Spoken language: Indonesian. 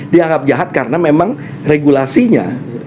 dianggap jahat karena memang regulasinya